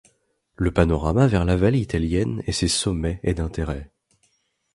Le panorama vers la vallée italienne et ses sommets est d'intérêt.